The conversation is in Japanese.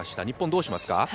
日本はどうしますか。